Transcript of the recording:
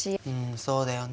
そうだよね。